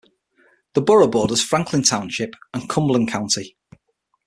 The borough borders Franklin Township and Cumberland County.